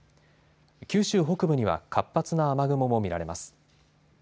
九州北部には活発な雨雲も見られます。